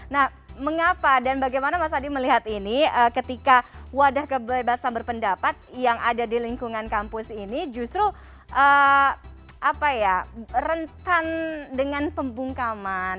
nah mengapa dan bagaimana mas adi melihat ini ketika wadah kebebasan berpendapat yang ada di lingkungan kampus ini justru rentan dengan pembungkaman